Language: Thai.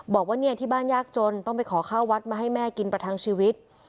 บอกว่าเนี่ยที่บ้านยากจนต้องไปขอข้าววัดมาให้แม่กินประทังชีวิต